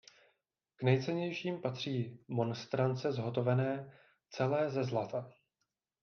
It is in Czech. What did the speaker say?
K nejcennějším patří monstrance zhotovené celé ze zlata.